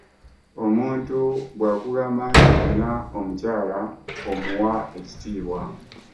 Omuntu bw’akugamba nti nnina omukyala omuwa ekitiibwa.